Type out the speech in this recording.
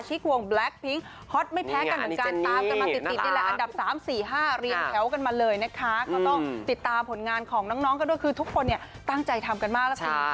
คือทุกคนเนี่ยตั้งใจทำกันมากแล้วพี่